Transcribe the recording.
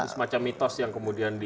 ada semacam mitos yang kemudian di